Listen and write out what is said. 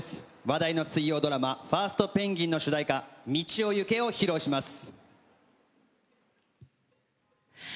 話題の水曜ドラマファーストペンギン！の主題歌ミチヲユケを披露します。